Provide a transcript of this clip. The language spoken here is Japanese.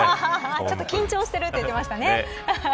ちょっと緊張してるって言ってましたね。